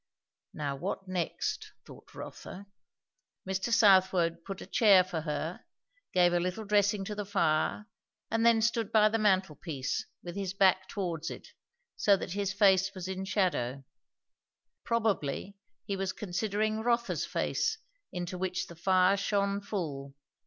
Now what next? thought Rotha. Mr. Southwode put a chair for her, gave a little dressing to the fire, and then stood by the mantel piece with his back towards it, so that his face was in shadow. Probably he was considering Rotha's face, into which the fire shone full.